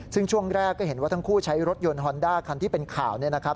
ซึ่งช่วงแรกก็เห็นว่าทั้งคู่ใช้รถยนต์ฮอนด้าคันที่เป็นข่าวเนี่ยนะครับ